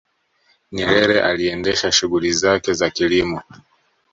nyerere aliendesha shughuli zake za kilimo